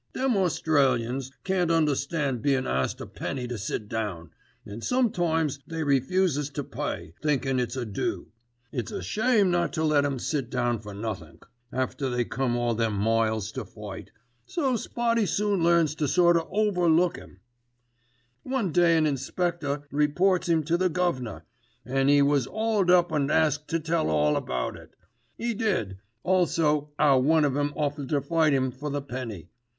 "Them Australians can't understand bein' asked a penny to sit down, and sometimes they refuses to pay, thinking it's a do. It's a shame not to let 'em sit down for nothink, after they come all them miles to fight. So Spotty soon learns to sort of overlook 'em. "One day an inspector reports 'im to the guv'nor, an' 'e was 'auled up an' asked to tell all about it. 'E did, also 'ow one of 'em offered to fight 'im for the penny.